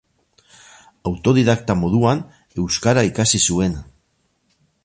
Autodidakta moduan, euskara ikasi zuen.